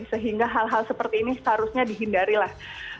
sehingga hal hal seperti ini seharusnya dihindari lah